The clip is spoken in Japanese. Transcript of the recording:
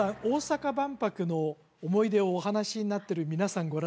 大阪万博の思い出をお話しになってる皆さん